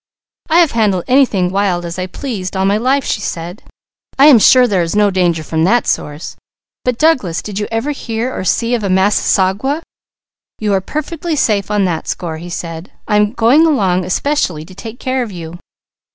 "I have handled anything wild as I pleased all my life," she said. "I am sure there is no danger from that source; but Douglas, did you ever hear of, or see, a massasauga?" "You are perfectly safe on that score," he said. "I am going along especially to take care of you."